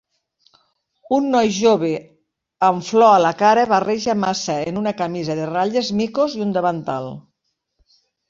Un noi jove amb flor a la cara barreja massa en una camisa de ratlles micos i un davantal